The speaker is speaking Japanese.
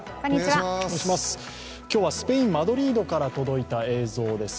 今日はスペイン・マドリードから届いた映像です。